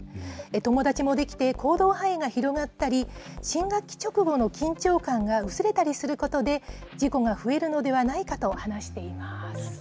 友だちも出来て、行動範囲が広がったり、新学期直後の緊張感が薄れたりすることで、事故が増えるのではないかと話しています。